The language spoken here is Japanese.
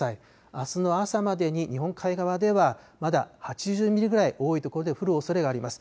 あすの朝までに日本海側ではまだ８０ミリぐらい、多い所で降るおそれがあります。